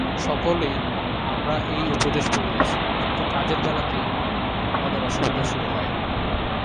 সকলেই আমরা এই উপদেশ পড়িয়াছি, কিন্তু কাজের বেলাতেই আমাদের অসুবিধা শুরু হয়।